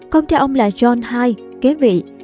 con trai ông là john ii kế vị